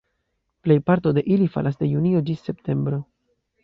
Plejparto de ili falas de junio ĝis septembro.